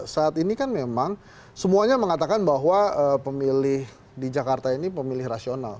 saat ini kan memang semuanya mengatakan bahwa pemilih di jakarta ini pemilih rasional